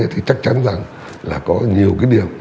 thì chắc chắn rằng là có nhiều điểm